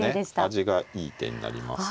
味がいい手になりますので。